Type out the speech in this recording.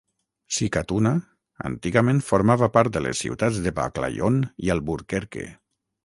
Sikatuna antigament formava part de les ciutats de Baclayon i Alburquerque.